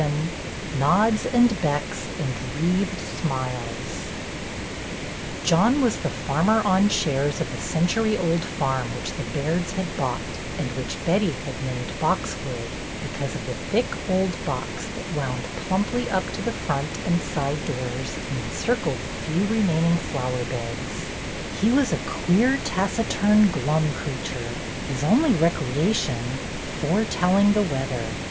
VII *'nods and becks, and wreathed smiles " J OHN was the farmer on shares of the century old farm which the Bairds had bought, and which Betty had named ^'Boxwood,"' because of the thick old box that wound plumply up to the front and side doors and encircled the few remaining flower beds. He was a queer, taciturn, glum creature, his only recreation foretelling the weather.